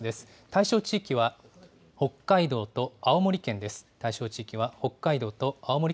対象地域は北海道と青森県です。